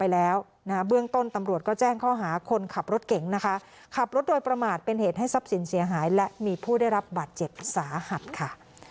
เบื้องต้นตำรวจก็แจ้งข้อหาคนขับรถเก๋งนะคะขับรถโดยประมาทเป็นเหตุให้ทรัพย์สินเสียหายและมีผู้ได้รับบาดเจ็บสาหัสค่ะ